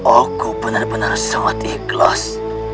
aku benar benar sama ikhlas